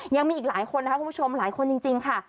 ยังมีอีกหลายคนนะคะคุณผู้ชมหลายคนจริงค่ะ